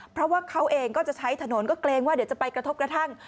เพราะว่าเขาเองก็จะใช้ถนนก็เกรงว่าเดี๋ยวจะไปกระทบกระทั่ง